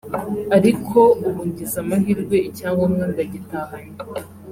ariko ubu ngize amahirwe icyangombwa ndagitahanye